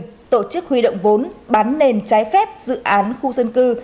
các đối tượng đã được quyền tổ chức huy động vốn bán nền trái phép dự án khu dân cư